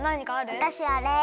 わたしあれ。